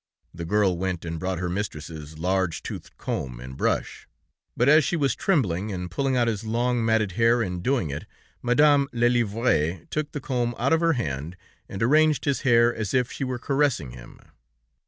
The girl went and brought her mistress's large toothed comb and brush, but as she was trembling, and pulling out his long, matted hair in doing it, Madame Lelièvre took the comb out of her hand, and arranged his hair as if she were caressing him.